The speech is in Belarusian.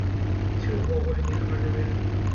Ці ўвогуле не хвалюе.